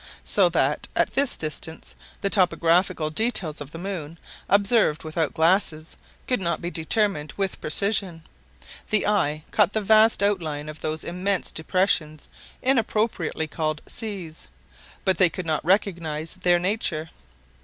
So that, at this distance, the topographical details of the moon, observed without glasses, could not be determined with precision. The eye caught the vast outline of those immense depressions inappropriately called "seas," but they could not recognize their nature.